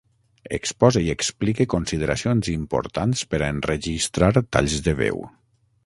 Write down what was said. Expose i explique consideracions importants per a enregistrar talls de veu.